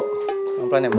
pelan pelan ya bu